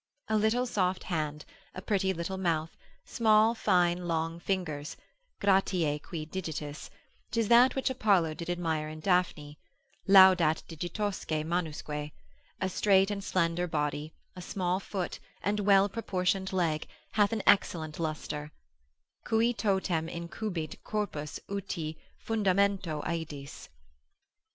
A little soft hand, pretty little mouth, small, fine, long fingers, Gratiae quae digitis —'tis that which Apollo did admire in Daphne,—laudat digitosque manusque; a straight and slender body, a small foot, and well proportioned leg, hath an excellent lustre, Cui totum incumbit corpus uti fundamento aedes.